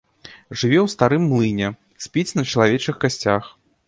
Жыве ў старым млыне, спіць на чалавечых касцях.